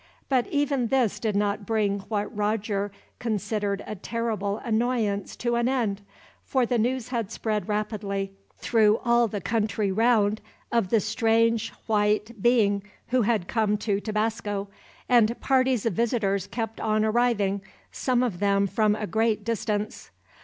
But even this did not bring what Roger considered a terrible annoyance to an end; for the news had spread rapidly, through all the country round, of the strange white being who had come to Tabasco, and parties of visitors kept on arriving, some of them from a great distance.